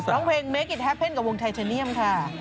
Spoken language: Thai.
น้องเพงอระล์เมกตี้ฮัปเพ่นกะวงไททาเนียมค่ะ